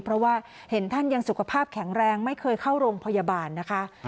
เพราะว่าเห็นท่านยังสุขภาพแข็งแรงไม่เคยเข้าโรงพยาบาลนะคะ